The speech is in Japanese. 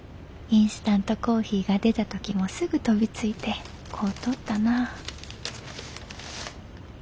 インスタントコーヒーが出た時もすぐ飛びついて買うとったなあ。